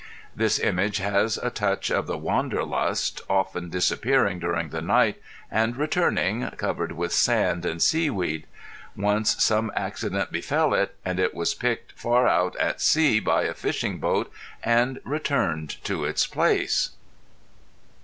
This Image has a touch of the wanderlust often disappearing during the night and returning, covered with sand and sea weed. Once some accident befell it and it was picked far out at sea by a fishing boat and returned to its place.